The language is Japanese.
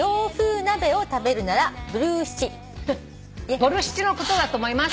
ボルシチのことだと思います。